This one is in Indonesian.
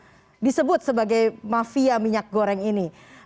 yang disebut sebagai mafia minyak goreng ini